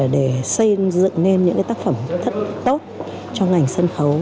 để xây dựng nên những tác phẩm thật tốt cho ngành sân khấu